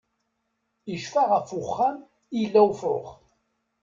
Icfa ɣef uxxam i yella ufrux.